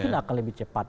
mungkin akan lebih cepat